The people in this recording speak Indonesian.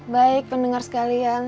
baik pendengar sekalian